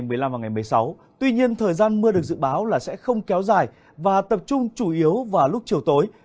trong ngày một mươi sáu tuy nhiên thời gian mưa được dự báo là sẽ không kéo dài và tập trung chủ yếu vào lúc chiều tối